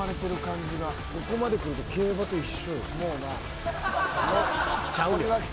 ここまでくると競馬と一緒よ。